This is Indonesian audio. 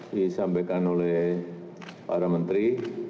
disampaikan oleh para menteri